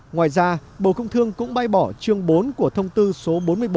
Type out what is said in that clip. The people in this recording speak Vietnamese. ngoài ra bộ công thương cũng bãi bỏ chương bốn của thông tư số bốn mươi bốn